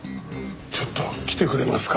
ちょっと来てくれますか？